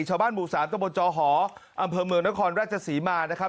หมู่๓ตะบนจอหออำเภอเมืองนครราชศรีมานะครับ